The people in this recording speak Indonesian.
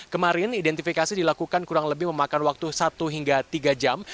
kemarin identifikasi dilakukan kurang lebih memakan waktu satu hingga tiga jam